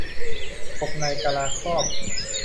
กบในกะลาครอบ